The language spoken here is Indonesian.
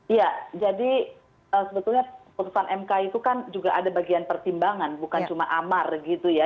iya jadi sebetulnya putusan mk itu kan juga ada bagian pertimbangan bukan cuma amar gitu ya